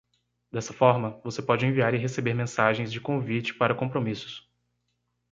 Dessa forma, você pode enviar e receber mensagens de convite para compromissos.